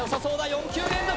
４球連続